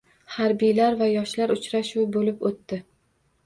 Harbiylar va yoshlar uchrashuvi bo‘lib o‘tdi